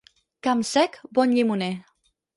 Camp sec, bon llimoner.